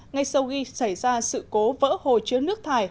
ngay sau khi xảy ra sự cố vỡ hồ chứa nước thải